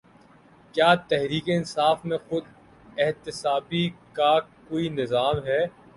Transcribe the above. کیا تحریک انصاف میں خود احتسابی کا کوئی نظام ہے؟